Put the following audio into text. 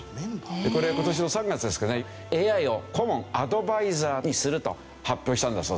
これ今年の３月ですかねＡＩを顧問アドバイザーにすると発表したんだそうですね。